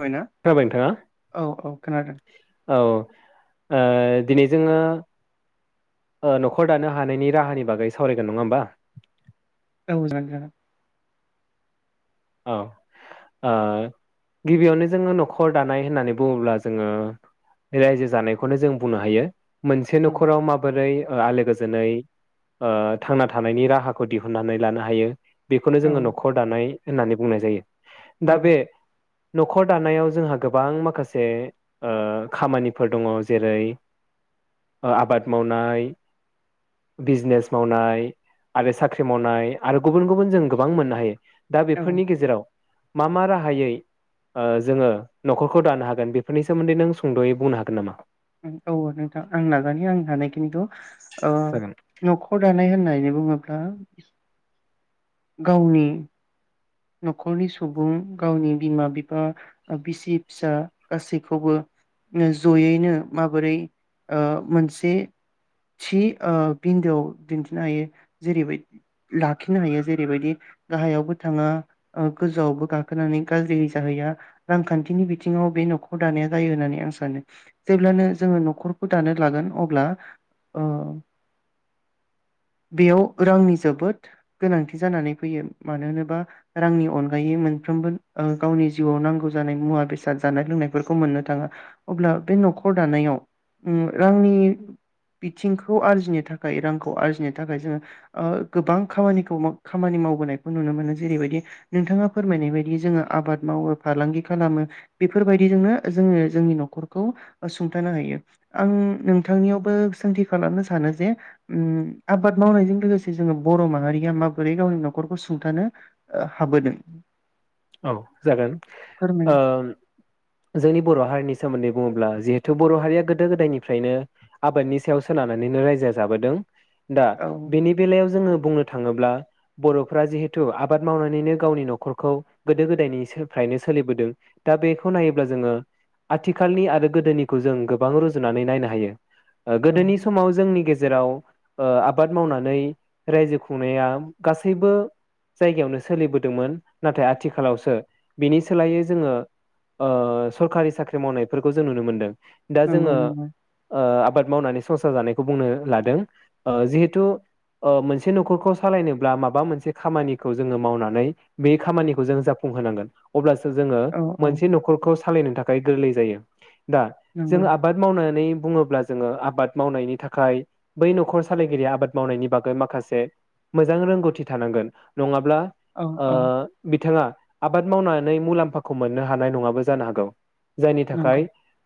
बायना जाबाय नोंथाङा औ औ खोनादों औ। ओ दिनै जोङो न'खर दानो हानायनि राहानि बागै सावरायगोन नङा होमबा? औ जां जागोन। औ ओ गिबियावनो जोङो न'खर दानाय होननानै बुङोब्ला जोङो रायजो जानायखौनो जों बुंनो हायो। मोनसे न'खराव माबोरै ओ आलो गोजोनै ओ थांना थानायनि राहाखौ दिहुननानै लानो हायो बेखोनो औ जोङो नखर दानाय होननानै बुंनाय जायो औ दा बे न'खर दानायाव जोंहा गोबां माखासे ओ खामानिफोर दङ जेरै ओ आबाद मावनाय बिजनेस मावनाय आरो साख्रि मावनाय आरो गुबुन गुबुन जों गोबां मोननो हायो। दा औ बेफोरनि गेजेराव मा मा राहायै ओ जोङो नखरखौ दानो हागोन बेफोरनि सोमोन्दै नों सुंदयै बुंनो हागोन नामा? उम औ नोंथां आं नाजानि आं हानाय खिनिखौ ओ जागोन नखर दानाय होननानै बुङोब्ला [inaudible] गावनि न'खरनि सुबुं गावनि बिमा बिफा ओ बिसि फिसा गासैखौबो नो जयैनो माबोरै ओ मोनसे थि ओ बिन्दोआव दिन्थिनो हायो जेरैबाय लाखिनो हायो जेरैबादि गाहायावबो थाङा ओ गोजौआवबो गाखोनानै गाज्रि जाहैया रांखान्थिनि बिथिङाव बे नखर दानाया जायो होननानै आं सानो जेब्लानो जोङो नखरखौ दानो लागोन अब्ला ओ रांनि अनगायै मोनफ्रोमबो ओ गावनि जिउआव नांगौ जानाय मुवा बेसाद जानाय लोंनायफोरखौ मोननो थाङा अब्ला बे नखर दानायाव उम रांनि बिथिंखौ आरजिनो थाखाय रांखौ आरजिनो थाखाय जोङो ओ गोबां खामानिखौ खामानि मावबोनायखौ नुनो मोनो जेरैबादि नोंथाङा फोरमायनाय बायदि जोङो आबाद मावो फालांगि खालामो बेफोरबायदिजोंनो जोङो जोंनि नखरखौ सुंथानो हायो आं नोंथांनियावबो सोंथि खालामनो सानो जे उम आबाद मावनायजों लोगोसे जोङो बर माहारिया गावनि नखरखौ माबोरै सुंथानो ओ हाबोदों औ जागोन ओ फोरमायनो जोंनि बर हारिनि सोमोन्दै बुङोब्ला जिहेथु बर हारिया गोदो गोदायनिफ्रायनो आबादनि सायाव सोनारनानैनो रायजो जाबोदों। दा औ बेनि बेलायाव जोङो बुंनो थाङोब्ला बरफोरा जिहेथु आबाद मावनानैनो गावनि नखरखौ गोदो गोदायनिसोफ्रायनो सोलिबोदों दा बेखौ नायोब्ला जोङो आथिखालनि आरो गोदोनिखौ जों गोबां रुजुनानै नायनो हायो। ओ औ गोदोनि समाव जोंनि गेजे जेराव ओ आबाद मावनानै रायजो खुंनाया गासैबो जायगायावनो सोलिबोदोंमोन नाथाय आथि खालावसो बिनि सोलायै जोङो ओ सरखारि साख्रि मावनायफोरखौ जों नुनो मोनदों। दा नंगौ जोङो नंगौ ओ बाद मावनानै संसार जानायखौ बुंनो लादों ओ जिहेथु ओ मोनसे नखरखौ सालायनोब्ला माबा मोनसे खामानिखौ जोङो मावनानै बे खामानि जों जाफुंहोनांगोन अब्लासो जोङो औ औ मोनसे नखरखौ सालायनो थाखाय गोरलै जायो। दा नंगौ जों आबाद मावनानै बुङोब्ला जोङो आबाद मावनायनि थाखाय बै नखर सालायगिरिया आबाद मावनायनि बागै माखासे मोजां रोंगौथि थानांगोन नङा ब्ला औ ओ औ बिथाङा आबाद मावनानै मुलाम्फाखौ मोननो हानाय नङाबो जानो हागौ जायनि थाखाय नंगौ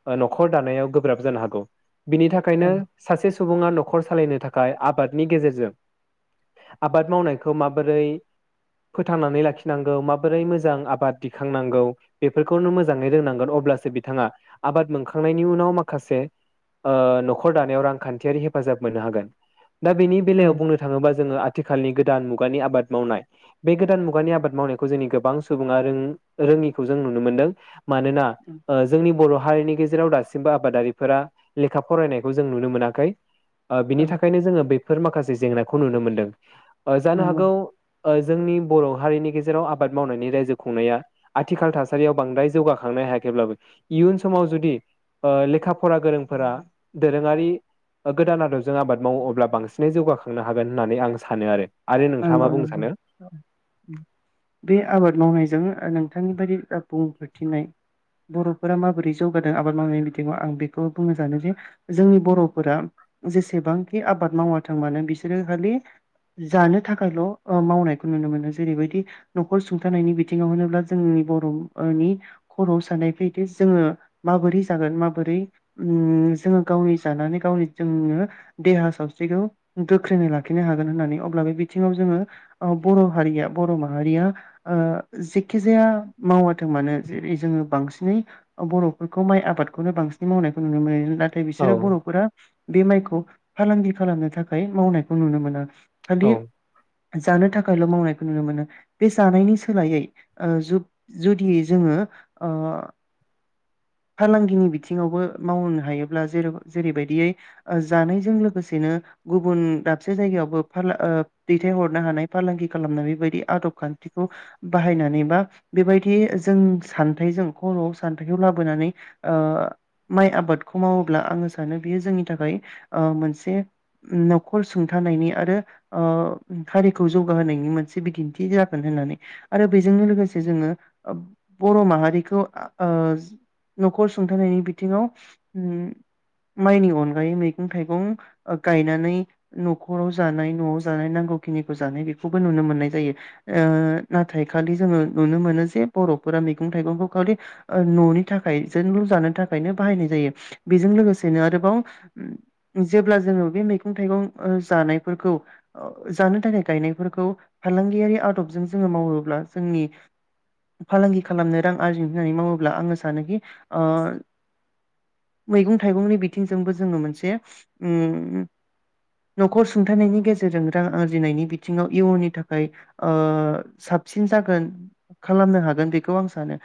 ओ न'खर दानायाव गोब्राब जानो हागौ। बिनि औ थाखायनो सासे सु सुबुङा न'खर सालायनो थाखाय आबादनि गेजेरजों आबाद मावनायखौ माबोरै फोथांनानै लाखि नांगौ माबोरै मोजां आबाद दिखांनांगौ बेफोरखौनो मोजाङैनो रोंनांगोन अब्लासो बिथाङा आबाद मोनखांनायनि उनाव माखासे ओ न'खर दानायाव रांखान्थियारि हेफाजाब मोननो हागोन। दा बेनि औ बेलायाव बुंनो थाङोबा जोङो आ आथिखालनि गोदान मुगानि आबाद मावनाय बे गोदान मुगानि आबाद मावनायखौ जोंनि गोबां सुबुङा रों-रोङिखौ जों नुनो मोनदों। मानोना ओ जोंनि बर' हारिनि गेजेराव दासिमबो आबादारिफोरा लेखा फरायनायखौ जों नुनो मोनाखै। ओ बिनि औ थाखायनो जोङो बे बेफोर माखासे जेंनाखौ नुनो मोनदों। ओ जानो नंगौ हागौ। ओ जोंनि बर' हारिनि गेजे जेराव आबाद मावनायनि रायजो खुंनाया आथिखाल थासारियाव बांद्राय जौगाखांनो हायाखैब्लाबो इयुन समाव जुदि ओ लेखा फरा गोरोंफोरा दोरोङारि ओ गोदान आदबजों आबाद मावो अब्ला बांसिनै जौगाखांनो हागोन होननानै आं सानो आरो। आरो नोंथाङा मा नंगौ बुंनो नंगौ सानो? बे आबाद मावनायजों नोंथांनि बायदि जा बुंफोरथिनाय बर'फोरा माबोरै जौगादों आबाद मावनायनि बिथिङाव आं बेखौ बुंनो सानो जे जोंनि बर'फोरा जेसेबांखि आबाद मावाथों मानो बिसोरो खालि जानो थाखायल' मावनायखौ नुनो मोनो जेरैबायदि न'खर सुंथानायनि बिथिङाव होनोब्ला जोंनि बर'ओनि खर'आव साननाय फैयोदि जोङो माबोरै जागोन माबोरै उम जोङो गावनि जानानै गावनि जोंनो देहा सावस्रिखौ गोख्रोंङै लाखिनो हागोन होननानै अब्ला बेबादि बिथिङाव जोङो बर' हारिया बर' माहारिया ओ जेखि जाया मावाथों मानो जेरै जोङो बांसिनै बर'फोरखौ माइ आबादखौनो बांसिनै मावनायखौ नुनो मोनो नाथाय औ बिसोरो बर'फोरा बे माइखौ फालांगि खालामनो थाखाय मावनायखौ नुनो मोना। औ खालि जानो थाखायल' मावनायखौ नुनो मोनो बे जानायनि सोलायै ओ जु-जुदि जोङो ओ फालांगिनि बिथिङावबो मावनो हायोब्ला जेर-जेरैबायदियै जानायजों लोगोसेनो गुबुन दाबसे जायगायावबो फाला ओ दैथायहरनो हानाय फालांगि खालामनाय बेबायदि आदब खान्थिखौ बाहायनानै मा बेबायदि जों सान्थाइजों खर'आव सान्थायाइखौ लाबोनानै ओ माइ आबादखौ मावोब्ला आङो सानो बेयो जोंनि थाखाय ओ मोनसे उम न'खर सुंथानायनि आरो ओ हारिखौ जौगाहोनायनि मोनसे बिदिन्थि जागोन होननानै आरो बेजोंनो लोगोसे जोङो बर' माहारिखौ आ ओ न'खर सुंथानायनि बिथिङाव उम माइनि अनगायै मैगं थाइगं ओ गायनानै न'खराव जानाय न'आव जानाय नांगौ खिनिखौ जानाय बेखौबो नुनो मोननाय जायो ओ नाथाय खालि जोङो नुनो मोनो जे बर'फोरा मैगं थाइगंखौ खालि ओ न'नि थाखाय [unintelligible] जानो थाखायनो बाहायनाय जायो बेजों लोगोसेनो आरोबाव जेब्ला जोङो बे मैगं थाइगं ओ जानायफोरखौ अ जानो थाखाय गायनायफोरखौ फालांगियारि आदबजों जोङो मावोब्ला जोंनि फालांगि खालामनो रां आरजि होननानै मावोब्ला आङो सानोखि ओ मैगं थाइगंनि बिथिंजोंबो जोङो मोनसे उम न'खर सुंथनायनि गेजेर गेरजों नोंथाङा आरजिनायनि बिथिङाव इयुननि थाखाय ओ साबसिन जागोन खालामनो हागोन बेखौ आं सानो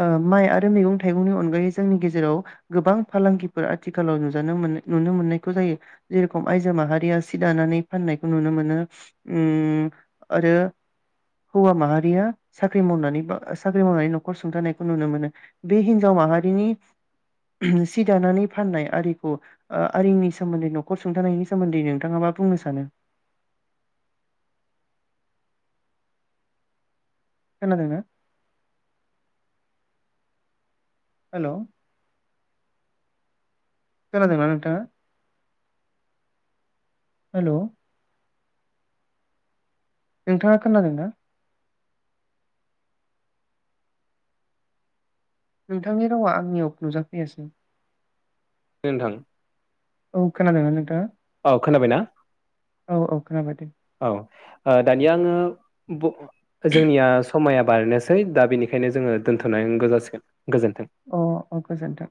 ओ माइ आरो मैगं थाइगंनि अनगायै जोंनि गेजेराव गोबां फालांगिफोर आथिखालाव नुजानो मोनाय-नुनो मोननायखौ जायो जेरेखम आइजो माहारिया सि दानानै फाननायखौ नुनो मोनो उम आरो हौवा माहारिया साख्रि मावनानै बा साख्रि मावनानै न'खर सुंथानायखौ नुनो मोनो बे हिनजाव माहारिनि सि दानानै फाननाय आरिखौ ओ आरिनि सोमोन्दै नखर सुंथानायनि सोमोन्दै नोंथाङा मा बुंनो सा सानो? खोनादों ना? हेल'। खोनादों ना नोंथांनि? हेल' नोंथाङा खोनादोंना? नोंथांनि रावा आंनियाव नुजाफैयासै। नोंथां। औ खोनादोंना नोंथांआ? औ खोनाबायना औ खोनाबाय दे औ ओ दानिया आङो। बु ओजोंनियास समाया बारनोसै दा बेनिखायनो जोङो दोनथ'नांगौ जासिगोन। गोजोन्थों अ अ गोजोनथों।